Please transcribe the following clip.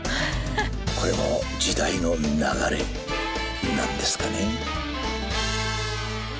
これも時代の流れなんですかね？